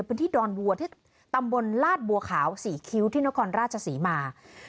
เป็นที่ดอนบัวที่ตำบลลาดบัวขาวสี่คิ้วที่นครราชสีมา